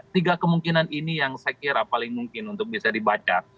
tiga kemungkinan ini yang saya kira paling mungkin untuk bisa dibaca